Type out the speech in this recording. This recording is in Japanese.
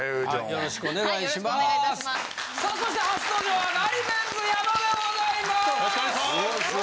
よろしくお願いします！